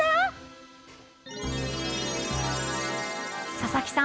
佐々木さん？